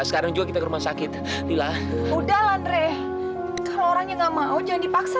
sekarang juga kita ke rumah sakit lilah udah lanre kalau orangnya nggak mau jangan dipaksa